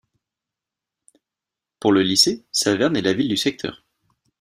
Pour le lycée, Saverne est la ville de secteur.